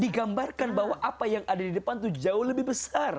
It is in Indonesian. digambarkan bahwa apa yang ada di depan itu jauh lebih besar